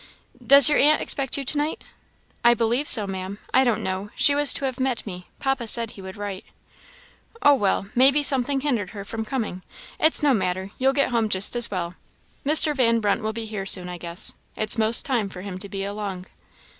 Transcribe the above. "Does your aunt expect you to night?" "I believe so, Maam I don't know she was to have met me; papa said he would write." "Oh, well! maybe something hindered her from coming. It's no matter; you'll get home just as well. Mr. Van Brunt will be here soon, I guess; it's 'most time for him to be along."